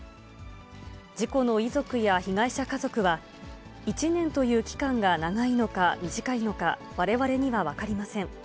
事故の遺族や被害者家族は、１年という期間が長いのか短いのか、われわれには分かりません。